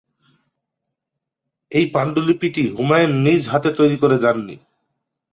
এই পাণ্ডুলিপিটি হুমায়ুন নিজ হাতে তৈরী করে যান নি।